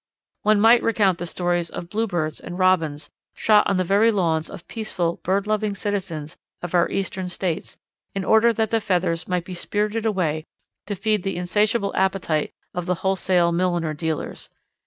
One might recount stories of Bluebirds and Robins shot on the very lawns of peaceful, bird loving citizens of our Eastern States in order that the feathers might be spirited away to feed the insatiable appetite of the wholesale milliner dealers.